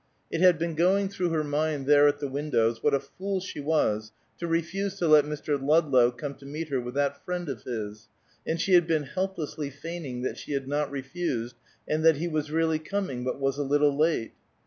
It had been going through her mind there at the windows what a fool she was to refuse to let Mr. Ludlow come to meet her with that friend of his, and she had been helplessly feigning that she had not refused, and that he was really coming, but was a little late.